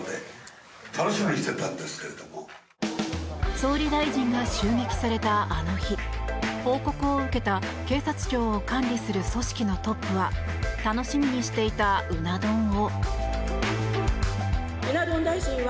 総理大臣が襲撃されたあの日報告を受けた警察庁を管理する組織のトップは楽しみにしていたうな丼を。